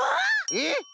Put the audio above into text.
えっ？